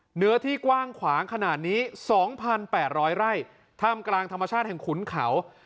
เหนือที่กว้างขวางขนาดนี้๒๘๐๐ไร่ทำกลางธรรมชาติแห่งขุนเขา